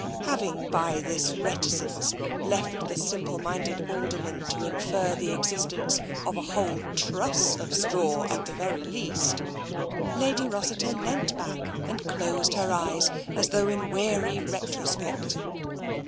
Having by this reticence left the simple minded Al derman to infer the existence of a whole truss of straw at the very least. Lady Rossiter leant back and closed her eyes, as though in weary retrospect.